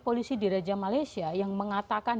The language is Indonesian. polisi diraja malaysia yang mengatakan